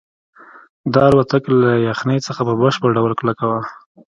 دا الوتکه له یخنۍ څخه په بشپړ ډول کلکه وه